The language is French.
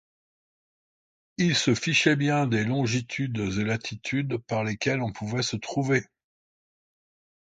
il se fichait bien des longitudes et latitudes par lesquelles on pouvait se trouver.